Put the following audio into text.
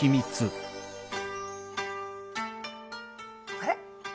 あれ？